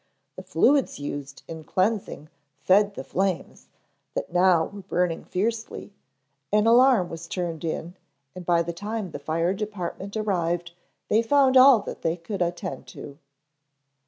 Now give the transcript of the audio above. The fluids used in cleansing fed the flames, that now were burning fiercely; an alarm was turned in and by the time the fire department arrived they found all that they could attend to.